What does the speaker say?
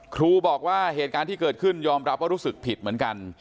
ครูบอกว่าเหตุการณ์ที่เกิดขึ้นยอมรับว่ารู้สึกผิดเหมือนกัน